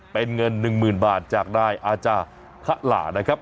เป็นเงินหนึ่งหมื่นบาทจากนายอาจารย์ขระหลานะครับ